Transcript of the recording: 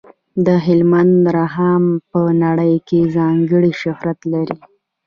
د هلمند رخام په نړۍ کې ځانګړی شهرت لري.